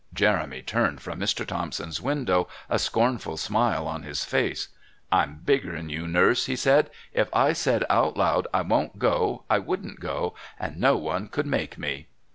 Jeremy turned from Mr. Thompson's window, a scornful smile on his face: "I'm bigger'n you, Nurse," he said. "If I said out loud, 'I won't go,' I wouldn't go, and no one could make me."